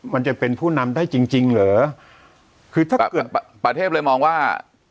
มันจะเป็นผู้นำได้จริงจริงเหรอคือถ้าเกิดประเทศเลยมองว่า